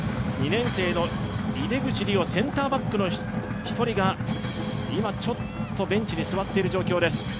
２年生の井手口怜央センターバックの１人が今、ちょっとベンチに座っている状況です。